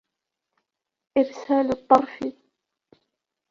إرْسَالُ الطَّرْفِ